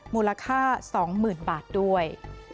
มูลค่า๒๐๐๐๐บาทด้วย